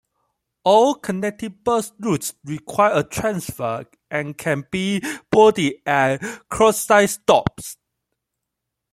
All connecting bus routes require a transfer and can be boarded at curbside stops.